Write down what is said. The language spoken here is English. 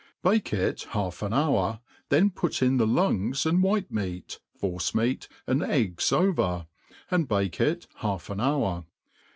bake it half an hour,' then put in the lungs and white meat^ force meat,, and eggs over, and bake it half an hour.